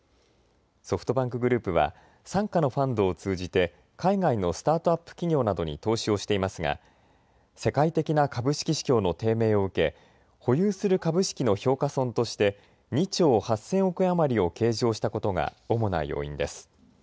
ソフトバンクグループは傘下のファンドを通じて海外のスタートアップ企業などに投資をしていますが世界的な株式市況の低迷を受け保有する株式の評価損として２兆８０００億円余りを計上したことが主な要因です。